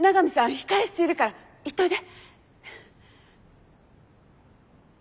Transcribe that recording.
控え室いるから行っておいで。